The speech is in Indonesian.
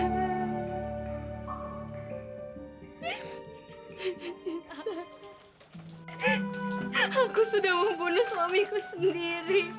aku sudah membunuh suamiku sendiri